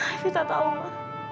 evita tahu ma